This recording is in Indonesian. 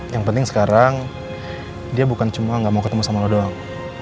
yang penting sekarang dia bukan cuma nggak mau ketemu sama lo doang